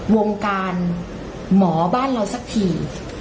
วงการหมอบ้านเราสักที